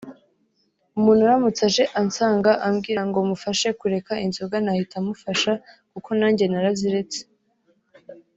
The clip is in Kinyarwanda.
umuntu aramutse aje ansanga ambwira ngo mufashe kureka inzoga nahita mufasha kuko nanjye naraziretse